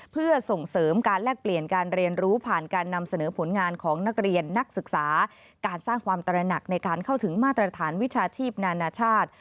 เพื่อส่งเสริมการแลกเปลี่ยนการเรียนรู้ผ่านการนำเสนอผลงานของนักเรียนนักศึกษาการสร้างความตระหนักในการเข้าถึงมาตรฐานวิชาชีพนานาชาติ